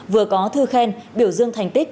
vừa có thư khen biểu dương thành tích